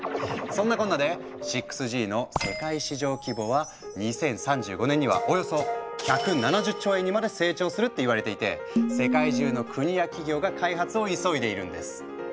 そんなこんなで６Ｇの世界市場規模は２０３５年にはおよそ１７０兆円にまで成長するって言われていて世界中の国や企業が開発を急いでいるんです。